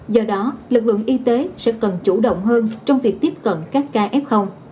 do đó lực lượng y tế sẽ cần chủ động hơn trong việc tiếp cận các ca f